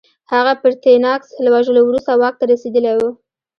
هغه پرتیناکس له وژلو وروسته واک ته رسېدلی و